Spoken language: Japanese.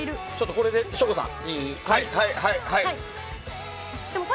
これで省吾さん。